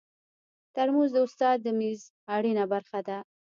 ترموز د استاد د میز اړینه برخه ده.